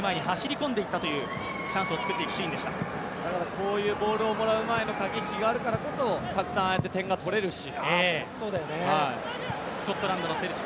こういうボールをもらう前の駆け引きがあるからこそたくさんああやって点が取れるし。